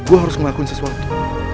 gue harus ngelakuin sesuatu